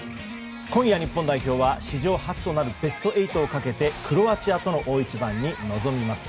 今夜、日本代表は史上初となるベスト８をかけてクロアチアとの大一番に臨みます。